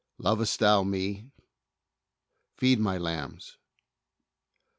"Lovest thou Met Feed My lambs."